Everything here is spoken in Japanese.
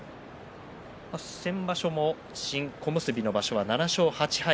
先場所の新小結の場所は７勝８敗。